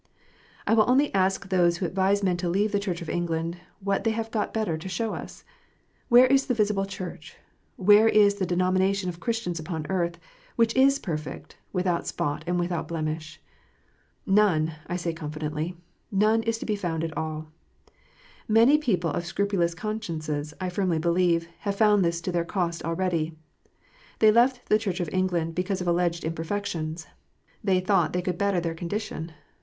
I will only ask those who advise men to leave the Church of England, what they have got better to show us ? Where is the visible Church, where is the denomination of Christians upon earth, which is perfect, without spot, and without blemish ? None, I say confidently, none is to be found at all. Many people of scrupulous consciences, I firmly believe, have found this to their cost already. They left the Church of England because of alleged imperfections. They thought they could better their condition.